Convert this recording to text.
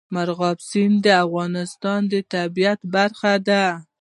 مورغاب سیند د افغانستان د طبیعت برخه ده.